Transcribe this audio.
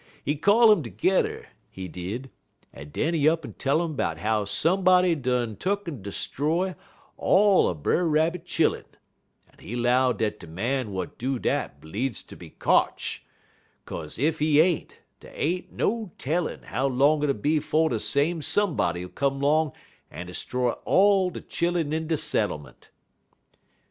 He call um tergedder, he did, en den he up'n tell um 'bout how somebody done tuck'n 'stroy all er Brer Rabbit chillun, en he 'low dat de man w'at do dat bleedz ter be kotch, 'kaze ef he ain't, dey ain't no tellin' how long it'll be 'fo' de same somebody'll come 'long en 'stroy all de chillun in de settlement.